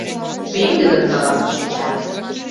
- пеҥгыдын каласыш Эчан.